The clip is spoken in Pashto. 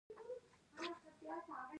کلتور د افغانستان د کلتوري میراث برخه ده.